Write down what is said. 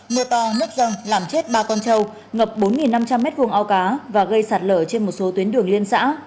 mưa to nước dâng làm chết ba con trâu ngập bốn năm trăm linh m hai ao cá và gây sạt lở trên một số tuyến đường liên xã